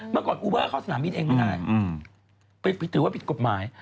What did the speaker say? เมื่อก่อนอูเบอร์เข้าสนามบินเองไม่ได้ถือว่าผิดกฎหมาย